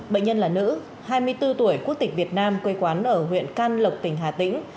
bệnh nhân là nữ hai mươi bốn tuổi quốc tịch việt nam quê quán ở huyện can lộc tỉnh hà tĩnh